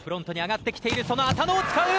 その麻野を使う。